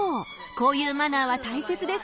こういうマナーはたいせつです。